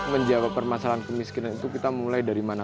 menjawab permasalahan kemiskinan itu kita mulai dari mana